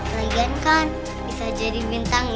legend kan bisa jadi bintang iklan